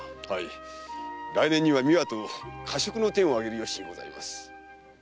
はい来年には美和と華燭の典を挙げる由にございます。